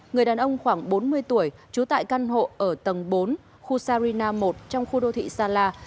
người đàn ông khoảng bốn mươi tuổi trú tại căn hộ ở tầng bốn khu sarina một trong khu đô thị salah